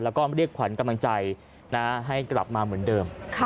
แล้วก็เรียกขวัญกำลังใจให้กลับมาเหมือนเดิม